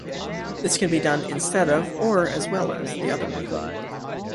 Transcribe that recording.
This can be done instead of, or as well as, the other method.